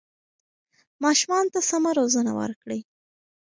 ماشومانو ته سمه روزنه ورکړئ.